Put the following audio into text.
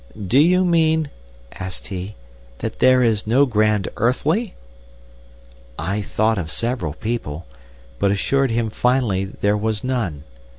'Do you mean,' asked, 'that there is no Grand Earthly?' "I thought of several people, but assured him finally there was none.